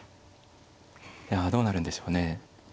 いやどうなるんでしょうね。